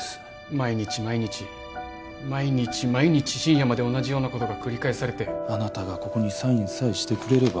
毎日毎日毎日毎日深夜まで同じようなことが繰り返されてあなたがここにサインさえしてくれれば